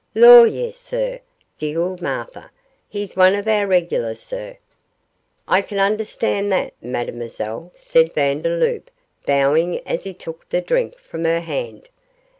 'Lor, yes, sir,' giggled Martha, 'he's one of our regulars, sir.' 'I can understand that, Mademoiselle,' said Vandeloup, bowing as he took the drink from her hand.